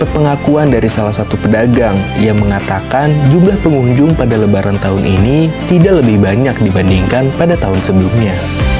pengakuan dari salah satu pedagang yang mengatakan jumlah pengunjung pada lebaran tahun ini tidak lebih banyak dibandingkan pada tahun sebelumnya